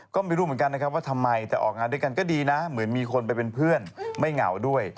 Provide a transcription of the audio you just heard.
ก็ไม่รู้เหมือนกันนะครับว่าทำไมจะออกงานด้วยกันก็ดีนะเหมือนมีคนไปเป็นเพื่อนไม่เหงาด้วย